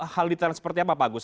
hal ditanya seperti apa pak agus